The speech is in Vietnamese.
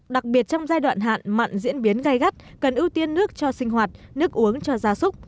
đặc biệt trong giai đoạn hạn mặn diễn biến gai gắt cần ưu tiên nước cho sinh hoạt nước uống cho gia súc